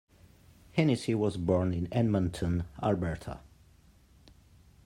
Hennessy was born in Edmonton, Alberta.